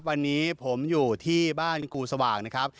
วันนี้ผมอยู่ที่บ้านกูสว่างนะครับ